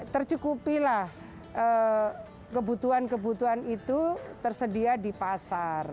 tercukupilah kebutuhan kebutuhan itu tersedia di pasar